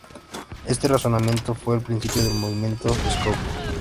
Este razonamiento fue el principio del movimiento Scout.